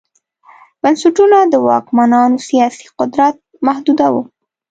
بنسټونه د واکمنانو سیاسي قدرت محدوداوه